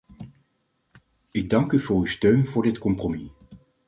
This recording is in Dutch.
Ik dank u voor uw steun voor dit compromis.